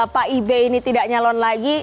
pak ib ini tidak nyalon lagi